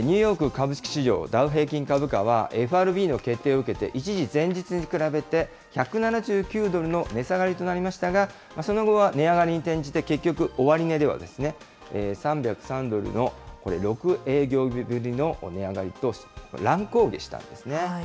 ニューヨーク株式市場、ダウ平均株価は、ＦＲＢの決定を受けて、一時、前日に比べて、１７９ドルの値下がりとなりましたが、その後は値上がりに転じて、結局、終値では、３０３ドルのこれ、６営業日ぶりの値上がりと、乱高下したんですね。